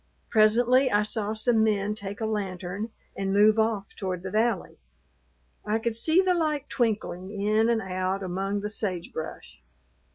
Presently I saw some men take a lantern and move off toward the valley. I could see the light twinkling in and out among the sage brush.